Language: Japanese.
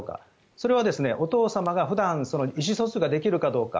それはお父様が普段意思疎通ができるかどうか。